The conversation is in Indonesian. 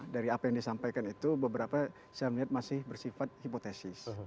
dari apa yang disampaikan itu beberapa saya melihat masih bersifat hipotesis